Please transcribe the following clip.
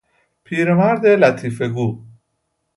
پیر مرد لطیفه گو